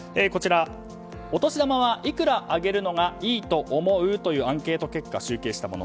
お年玉はいくらあげるのがいいと思う？というアンケート結果を集計したもの。